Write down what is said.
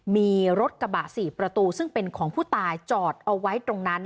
มีรถกระบะ๔ประตูซึ่งเป็นของผู้ตายจอดเอาไว้ตรงนั้น